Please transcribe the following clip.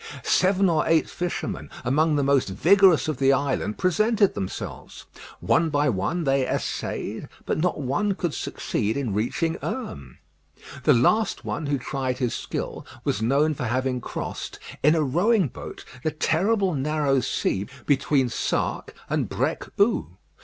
Seven or eight fishermen, among the most vigorous of the island, presented themselves. One by one they essayed; but not one could succeed in reaching Herm. The last one who tried his skill was known for having crossed, in a rowing boat, the terrible narrow sea between Sark and Brecq Hou.